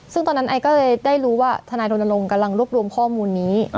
ซึ่งตอนนั้นไอก็เลยได้รู้ว่าทนายรณรงค์กำลังรวบรวมข้อมูลนี้